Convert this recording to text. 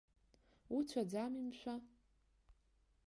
Уцәаӡамзи, мшәа?